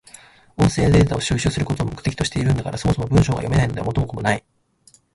音声データを収集することを目的としているんだから、そもそも文章が読めないのでは元も子もない。